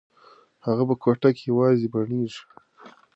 هغه په کوټه کې یوازې بڼیږي.